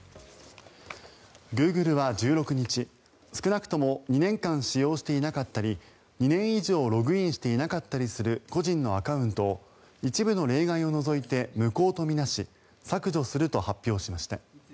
グーグルは１６日少なくとも２年間使用していなかったり２年以上ログインしていなかったりする個人のアカウントを一部の例外を除いて無効と見なし削除すると発表しました。